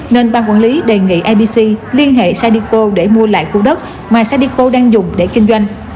nên ban quản lý đề nghị ibc liên hệ sadiko để mua lại khu đất mà sadiko đang dùng để kinh doanh